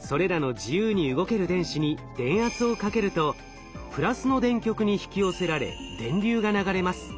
それらの自由に動ける電子に電圧をかけるとプラスの電極に引き寄せられ電流が流れます。